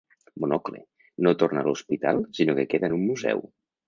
"Monocle" no torna a l'hospital sinó que queda en un museu.